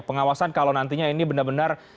pengawasan kalau nantinya ini benar benar